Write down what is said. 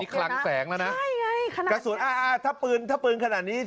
คลังแสงแล้วนะใช่ไงขนาดกระสุนอ่าอ่าถ้าปืนถ้าปืนขนาดนี้